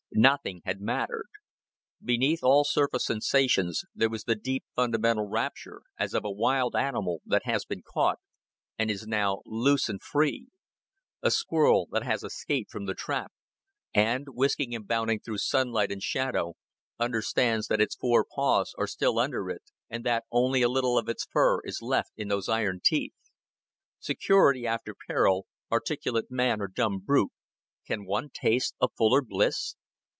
Nothing had mattered. Beneath all surface sensations there was the deep fundamental rapture: as of a wild animal that has been caught, and is now loose and free a squirrel that has escaped from the trap, and, whisking and bounding through sunlight and shadow, understands that its four paws are still under it, and that only a little of its fur is left in those iron teeth. Security after peril articulate man or dumb brute, can one taste a fuller bliss?